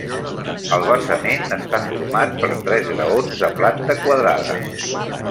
El basament està format per tres graons de planta quadrada.